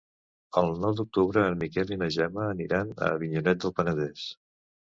El nou d'octubre en Miquel i na Gemma aniran a Avinyonet del Penedès.